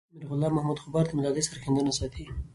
میرغلام محمد غبار د ملالۍ سرښندنه ستايي.